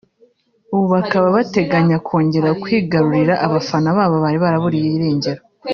ubu bakaba bateganya kongera kwigarurira abafana babo bari barababuriye irengero